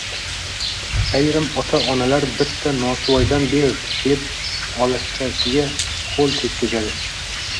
Ayrim ota-onalar “Bitta nosvoydan ber!” deb olatchasiga qo‘l tekkazadi.